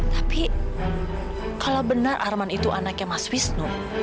tapi kalau benar arman itu anaknya mas wisnu